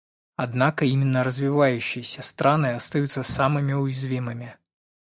Однако именно развивающиеся страны остаются самыми уязвимыми.